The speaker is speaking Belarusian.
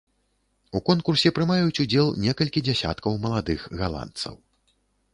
У конкурсе прымаюць удзел некалькі дзесяткаў маладых галандцаў.